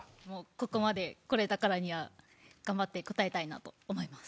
ここまでこれたからには頑張って答えたいなと思います